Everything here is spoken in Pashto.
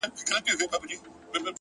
هره هڅه د راتلونکي بنسټ جوړوي,